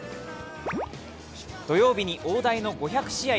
土曜日に大台の５００試合